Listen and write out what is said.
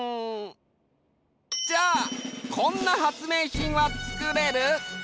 じゃあこんな発明品はつくれる？